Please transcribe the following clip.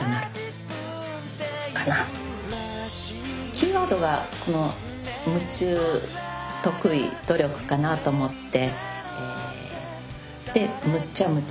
キーワードがこの「夢中得意努力」かなと思ってで「むっちゃ夢中」